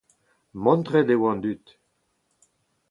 Mantret oa an dud.